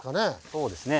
そうですね。